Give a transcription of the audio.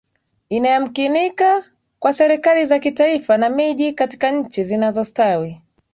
inayamkinika kwa serikali za kitaifa na miji katika nchi zinazostawi